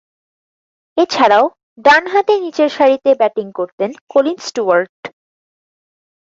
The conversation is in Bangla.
এছাড়াও, ডানহাতে নিচেরসারিতে ব্যাটিং করতেন কলিন স্টুয়ার্ট।